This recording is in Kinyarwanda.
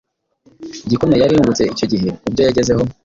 Igikomeye yari yungutse icyo gihe kubyo yagezeho